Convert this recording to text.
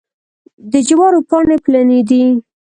د جوارو پاڼې پلنې دي.